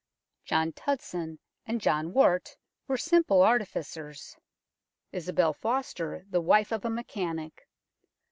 John Tudson and John Wart were simple artificers ; Isobel Foster, the wife of a mechanic.